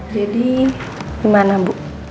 jadi gimana bu